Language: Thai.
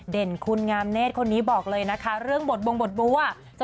คุณงามเนธคนนี้บอกเลยนะคะเรื่องบทบงบทบัว